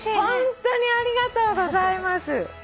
ホントにありがとうございます。